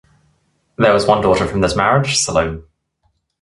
There was one daughter from this marriage, Salome.